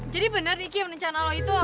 jadi bener nih kim rencana lo itu